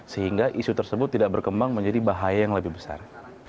sehingga isu tersebut tidak berkembang menjadi bahaya yang lebih besar